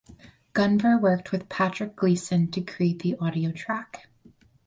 Gunvor worked with Patrick Gleeson to create the audio track.